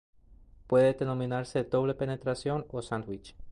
Puede denominarse "doble penetración" o "sándwich".